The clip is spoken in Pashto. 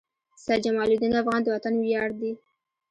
سيد جمال الدین افغان د وطن وياړ دي.